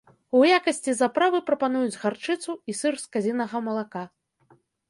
У якасці заправы прапануюць гарчыцу і сыр з казінага малака.